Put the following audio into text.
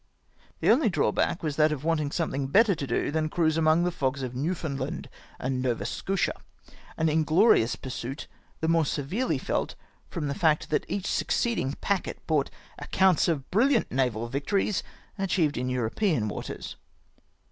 The only drawback was that of wanting something better to do than cruise amon2; the fo<xs of Newfound land and Nova Scotia, — an inglorious pm^suit, the more severely felt, from the fact that each succeeding packet brouoht accounts of briUiant naval victories achieved in European waters.